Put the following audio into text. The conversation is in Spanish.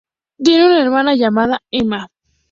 Tiene una hermana llamada Emma.